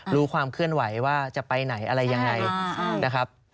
รู้ความเคลื่อนไหวว่าจะไปไหนอะไรยังไงนะครับ